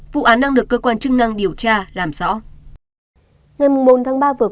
vụ án đang được cơ quan chức năng điều tra làm rõ